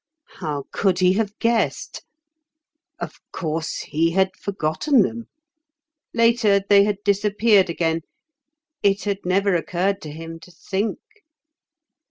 How could he have guessed? Of course, he had forgotten them. Later, they had disappeared again; it had never occurred to him to think.